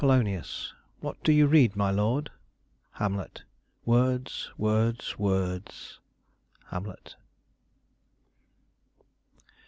_ What do you read, my lord? Ham. Words, words, words. Hamlet.